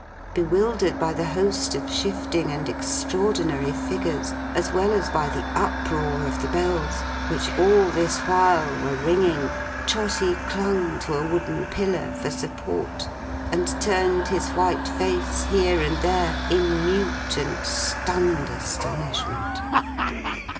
Bewildered by the host of shifting and extraordinary figures, as well as by the uproar of the Bells, which all this while were ringing, Trotty clung to a wooden pillar for support, and turned his white face here and there, in mute and stunned astonishment.